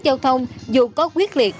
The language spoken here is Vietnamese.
giao thông dù có quyết liệt